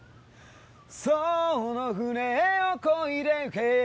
その船を漕いでゆけ